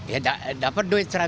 ya dapat duit